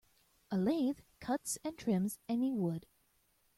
A lathe cuts and trims any wood.